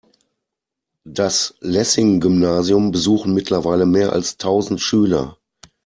Das Lessing-Gymnasium besuchen mittlerweile mehr als tausend Schüler.